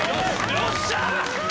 よっしゃー！